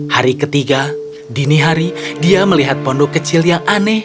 hari ketiga dini hari dia melihat pondok kecil yang aneh